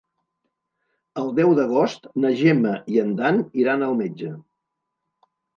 El deu d'agost na Gemma i en Dan iran al metge.